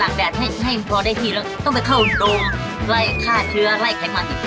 ต่างแดดให้พอได้ที่แล้วต้องไปเข้าโดงไล่ฆ่าเทือไล่ไขมัน